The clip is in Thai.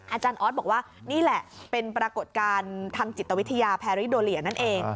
อาจารย์ออสบอกว่านี่แหละเป็นปรากฏการณ์ทางจิตวิทยาแพริโดเลียนั่นเอง